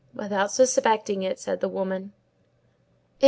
"Without suspecting it," said the woman.